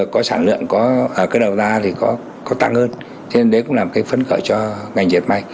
có sản lượng cái đầu ra thì có tăng hơn thế nên đấy cũng là phấn khởi cho ngành dệt mây